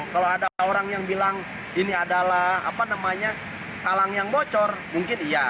kalau ada orang yang bilang ini adalah talang yang bocor mungkin iya